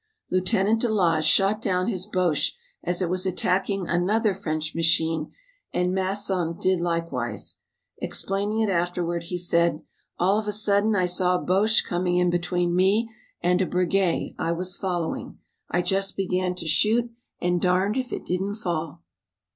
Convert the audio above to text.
Lieutenant de Laage shot down his Boche as it was attacking another French machine and Masson did likewise. Explaining it afterward he said: "All of a sudden I saw a Boche come in between me and a Breguet I was following. I just began to shoot, and darned if he didn't fall."